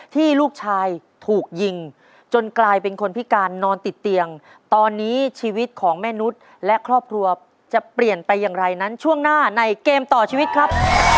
ที่ลูกชายถูกยิงจนกลายเป็นคนพิการนอนติดเตียงตอนนี้ชีวิตของแม่นุษย์และครอบครัวจะเปลี่ยนไปอย่างไรนั้นช่วงหน้าในเกมต่อชีวิตครับ